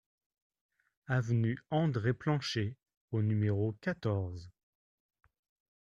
Avenue André Planchet au numéro quatorze